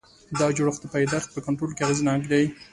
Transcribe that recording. دا جوړښت د پیدایښت په کنټرول کې اغېزناک دی.